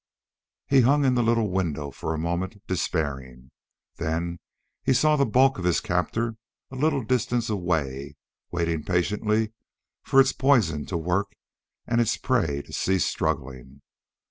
He hung in the little window for a moment, despairing. Then he saw the bulk of his captor a little distance away, waiting patiently for its poison to work and its prey to cease struggling.